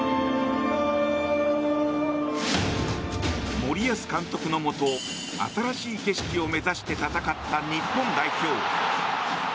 森保監督のもと新しい景色を目指して戦った日本代表。